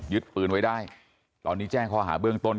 ยึดปืนไว้ได้ตอนนี้แจ้งความอาหารเบื้องต้น